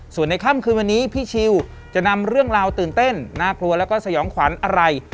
ส่วนในค่ำคืนวันนี้พี่ชิวจะนำเรื่องราวตื่นเต้นน่ากลัวแล้วก็สยองขวัญอะไร